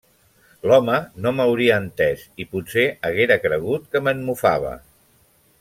L'home no m'hauria entès i potser haguera cregut que me'n mofava.